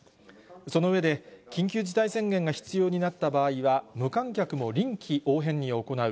その上で、緊急事態宣言が必要になった場合は、無観客も臨機応変に行う。